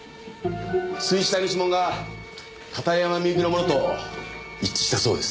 水死体の指紋が片山みゆきのものと一致したそうです。